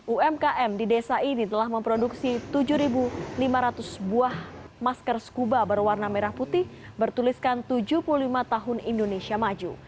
umkm di desa ini telah memproduksi tujuh lima ratus buah masker scuba berwarna merah putih bertuliskan tujuh puluh lima tahun indonesia maju